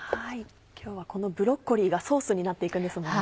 今日はこのブロッコリーがソースになって行くんですもんね。